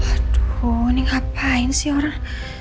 aduh ini ngapain sih orang